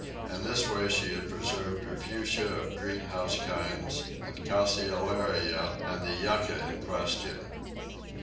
In this way she had preserved her Fuchsias of greenhouse kinds, and Calceolarias, and the Yucca in question.